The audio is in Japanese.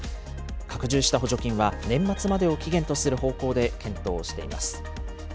拡充した補助金は年末までを期限とする方向で検討をしています。